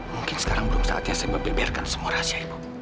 mungkin sekarang belum saatnya saya membeberkan semua rahasia ibu